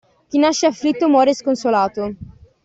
Chi nasce afflitto muore sconsolato.